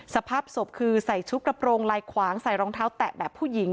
สภาพศพคือใส่ชุดกระโปรงลายขวางใส่รองเท้าแตะแบบผู้หญิง